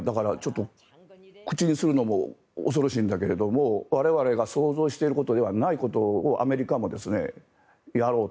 口にするのも恐ろしいんだけども我々が想像していることではないことをアメリカもやろうと。